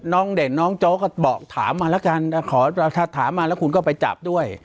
เด่นน้องโจ๊กก็บอกถามมาแล้วกันขอถ้าถามมาแล้วคุณก็ไปจับด้วย